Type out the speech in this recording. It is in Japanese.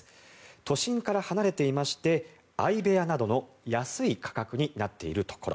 都心から離れていまして相部屋などの安い価格になっているところ。